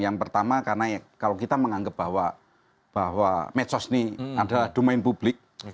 yang pertama karena kalau kita menganggap bahwa medsos ini adalah domain publik